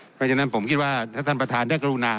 เพราะฉะนั้นผมคิดว่าถ้าท่านประธานได้กรุณา